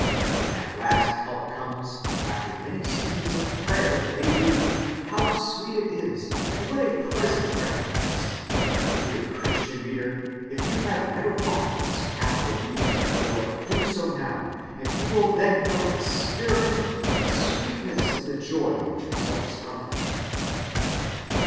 When at last help comes, after many seasons of prayer it may be, how sweet it is, and what a present recompense! Dear Christian reader, if you have never walked in this path of obedience before, do so now, and you will then know experimentally the sweetness of the joy which results from it."